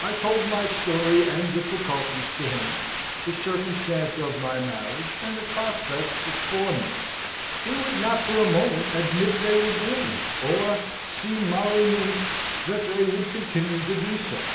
I told my story and difficulties to him, the circumstance of my marriage, and the prospects before me. He would not for a moment admit they were gloomy, or, si male nunc, that they would continue to be so.